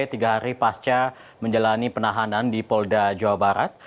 tiga hari pasca menjalani penahanan di polda jawa barat